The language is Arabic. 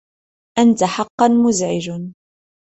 أنت حقا مزعج.